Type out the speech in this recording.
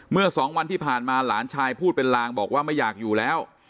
เมื่อสองวันที่ผ่านมาหลานชายพูดเป็นลางบอกว่าไม่อยากอยู่แล้ว